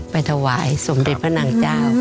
ไปถวายสมเด็จพระนางเจ้า